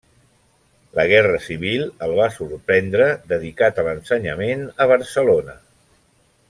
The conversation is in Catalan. La guerra civil el va sorprendre dedicat a l'ensenyament a Barcelona.